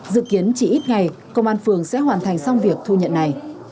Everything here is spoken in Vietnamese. dự kiến chỉ ít ngày công an phường sẽ hoàn thành xong việc thu nhận này